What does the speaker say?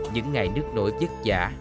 những ngày nước nổi chất giả